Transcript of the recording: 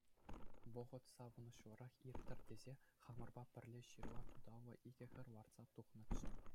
Вӑхӑт савӑнӑҫлӑрах ирттӗр тесе, хамӑрпа пӗрле ҫырла туталлӑ икӗ хӗр лартса тухнӑччӗ.